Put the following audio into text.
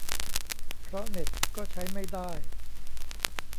เพราะเน็ตก็ใช้ไม่ได้